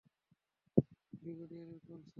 ব্রিগেডিয়ারের call, sir!